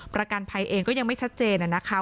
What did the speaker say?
ประกันภัยเองก็ยังไม่ชัดเจนนะคะ